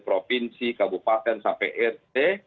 provinsi kabupaten sampai rt